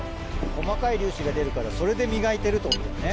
細かい粒子が出るからそれで磨いてるってことだよね。